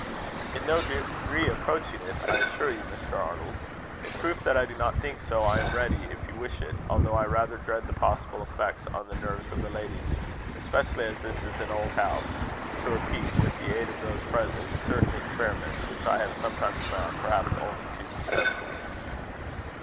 "In no degree approaching it, I assure you, Mr. Arnold. In proof that I do not think so, I am ready, if you wish it although I rather dread the possible effects on the nerves of the ladies, especially as this is an old house to repeat, with the aid of those present, certain experiments which I have sometimes found perhaps only too successful."